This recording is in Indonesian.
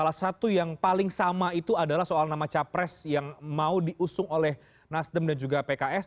salah satu yang paling sama itu adalah soal nama capres yang mau diusung oleh nasdem dan juga pks